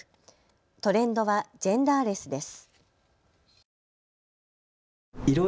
トレンドはジェンダーレスです。